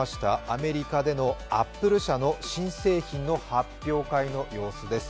アメリカでのアップル社の新製品の発表会の様子です。